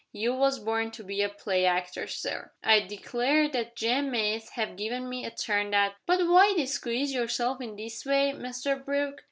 You was born to be a play actor, sir! I declare that Jem Mace have given me a turn that But why disguise yourself in this way, Mr Brooke?"